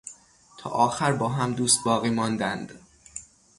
تا آخر با هم دوست باقی ماندند.